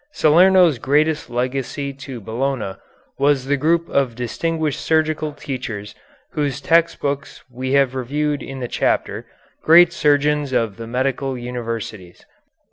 Salerno's greatest legacy to Bologna was the group of distinguished surgical teachers whose text books we have reviewed in the chapter, "Great Surgeons of the Medieval Universities."